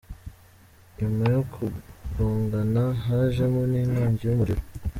Nyuma yo kugongana, hajemo n’inkongi y’umuriro.